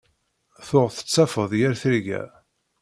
Tuɣ tettafeḍ yir tirga.